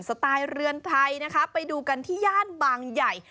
สไตล์เรือนไทยนะคะไปดูกันที่ย่านบางใหญ่